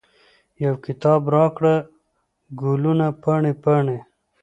یو کتاب راکړه، ګلونه پاڼې، پاڼې